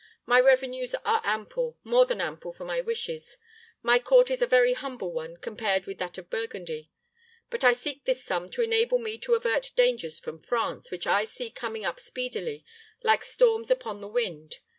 My revenues are ample, more than ample for my wishes. My court is a very humble one, compared with that of Burgundy. But I seek this sum to enable me to avert dangers from France, which I see coming up speedily, like storms upon the wind.